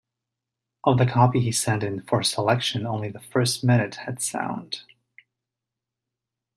Of the copy he sent in for selection only the first minute had sound.